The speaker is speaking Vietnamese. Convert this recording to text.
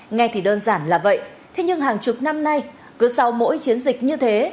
nghe thì đơn giản là vậy thế nhưng hàng chục năm nay cứ sau mỗi chiến dịch như thế